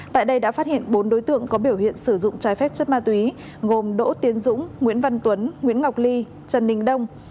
tại đây đã phát hiện bốn đối tượng có biểu hiện sử dụng trái phép chất ma túy gồm đỗ tiến dũng nguyễn văn tuấn nguyễn ngọc ly trần đình đông